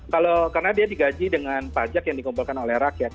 karena dia digaji dengan pajak yang dikumpulkan oleh rakyat